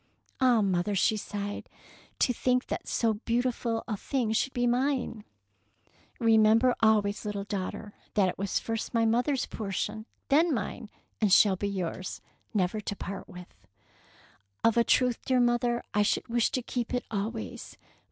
" Ah, mother,'^ she sighed, to think that so beautiful a thing should be mine !" Remember always, little daughter, that it was first my mother's portion, then mine, and shall be yours, never to part with." "Of a truth, dear mother, I should wish to keep it always.